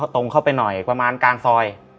ตรงเข้าไปหน่อยประมาณกลางซอย